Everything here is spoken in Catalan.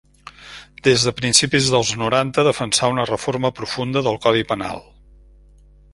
Des de principis dels noranta defensà una reforma profunda del Codi Penal.